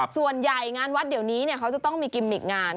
ส่วนใหญ่งานวัดเดี๋ยวนี้เขาจะต้องมีกิมมิกงาน